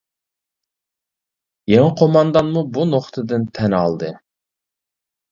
يېڭى قوماندانمۇ بۇ نۇقتىدىن تەن ئالدى.